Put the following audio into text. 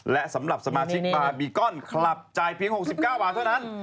และสำหรับสมาชิกบาร์บีกอนคลับจ่ายเพียง๖๙บาทเท่านั้น